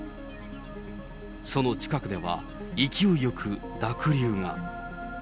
その近くでは、勢いよく濁流が。